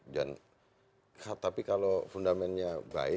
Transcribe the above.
dan tapi kalau fundamentnya baik